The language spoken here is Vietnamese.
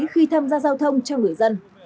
khi tham gia giao thông cho người dân